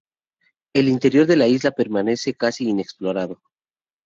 El interior de la isla permanece casi inexplorado.